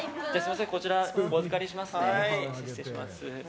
こちら、お預かりします。